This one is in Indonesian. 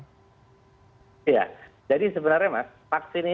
iya jadi sebenarnya mas